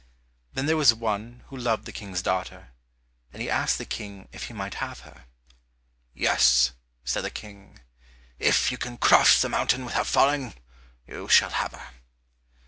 Then there was one who loved the King's daughter, and he asked the King if he might have her. "Yes," said the King; "if you can cross the mountain without falling, you shall have her."